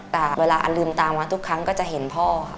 แต่เวลาอันลืมตามาทุกครั้งก็จะเห็นพ่อค่ะ